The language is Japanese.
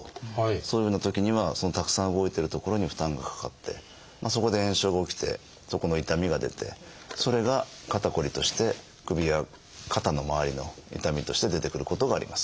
そういうふうなときにはそのたくさん動いてる所に負担がかかってそこで炎症が起きてそこの痛みが出てそれが肩こりとして首や肩のまわりの痛みとして出てくることがあります。